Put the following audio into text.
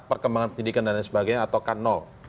perkembangan pendidikan dan lain sebagainya atau kan nol